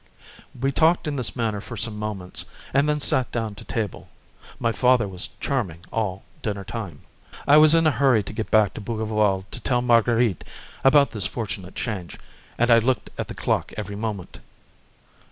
We talked in this manner for some moments, and then sat down to table. My father was charming all dinner time. I was in a hurry to get back to Bougival to tell Marguerite about this fortunate change, and I looked at the clock every moment.